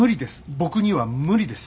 僕には無理です。